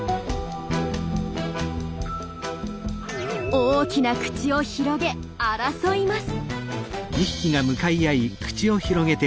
大きな口を広げ争います。